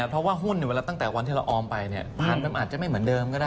เพราะว่าหุ้นเวลาตั้งแต่วันที่เราออมไปผ่านไปมันอาจจะไม่เหมือนเดิมก็ได้